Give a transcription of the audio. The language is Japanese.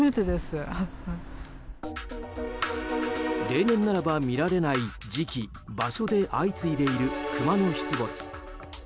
例年ならば見られない時期、場所で相次いでいるクマの出没。